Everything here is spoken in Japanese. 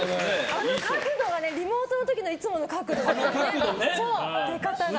あの角度がリモートの時のいつもの角度ですね。